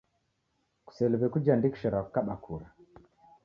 Kuseliw'e kujiandikishira kukaba kura